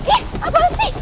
ih apaan sih